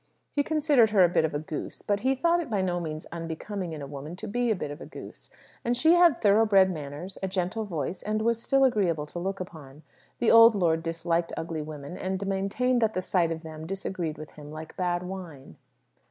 He considered her a bit of a goose. But he thought it by no means unbecoming in a woman to be a bit of a goose. And she had thoroughbred manners, a gentle voice, and was still agreeable to look upon. The old lord disliked ugly women, and maintained that the sight of them disagreed with him like bad wine.